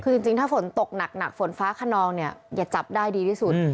คือจริงถ้าฝนตกหนักฝนฟ้าขนองเนี่ยอย่าจับได้ดีที่สุด